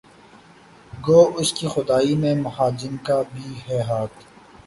گو اس کی خدائی میں مہاجن کا بھی ہے ہاتھ